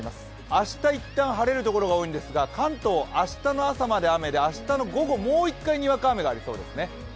明日はいったんやむんですが関東、明日の朝まで雨で、明日の午後もう１回にわか雨がありそうですね